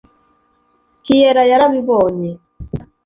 Kiera yarabibonye